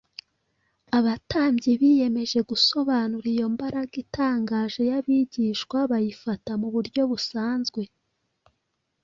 Abatambyi biyemeje gusobanura iyo mbaraga itangaje y’abigishwa bayifata mu buryo busanzwe,